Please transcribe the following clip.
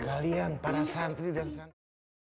kalian para santri dari santri